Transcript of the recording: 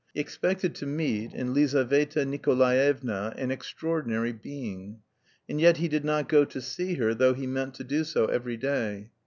He expected to meet in Lizaveta Nikolaevna an extraordinary being. And yet he did not go to see her though he meant to do so every day.